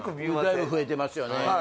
だいぶ増えてますよね